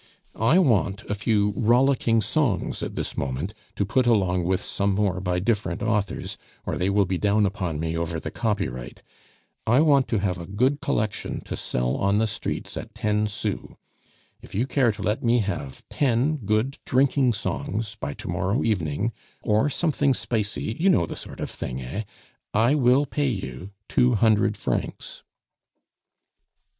"I want a few rollicking songs at this moment to put along with some more by different authors, or they will be down upon me over the copyright. I want to have a good collection to sell on the streets at ten sous. If you care to let me have ten good drinking songs by to morrow morning, or something spicy, you know the sort of thing, eh! I will pay you two hundred francs."